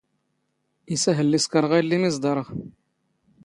ⵉⵙ ⴰⵔ ⵀⵍⵍⵉ ⵙⴽⴰⵔⵖ ⴰⵢⵍⵍⵉ ⵎⵉ ⵥⴹⴰⵕⵖ.